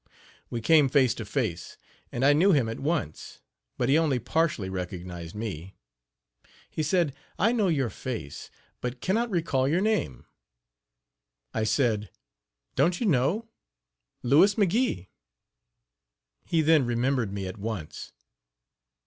We came face to face, and I knew him at once, but he only partially recognized me. He said: "I know your face, but can not recall your name." I said: "Don't you know Louis McGee?" He then remembered me at once.